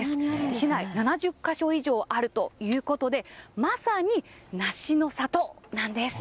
市内７０か所以上あるということでまさに、梨の里なんです。